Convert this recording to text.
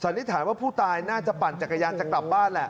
สันนี้ถามว่าผู้ตายน่าจะปันจักรยานจะกลับบ้านแล้ว